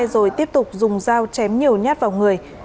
rồi tiếp tục dùng dao chém nhiều nhát vào người